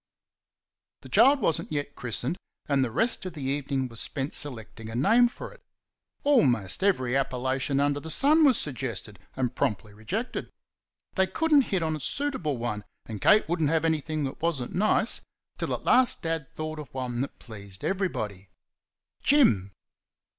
The child was n't yet christened, and the rest of the evening was spent selecting a name for it. Almost every appellation under the sun was suggested and promptly rejected. They could n't hit on a suitable one, and Kate would n't have anything that was n't nice, till at last Dad thought of one that pleased everybody "Jim!"